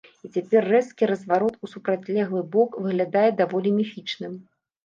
І цяпер рэзкі разварот у супрацьлеглы бок выглядае даволі міфічным.